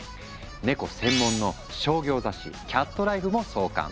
ネコ専門の商業雑誌「キャットライフ」も創刊。